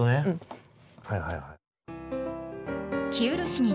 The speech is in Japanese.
はいはいはい。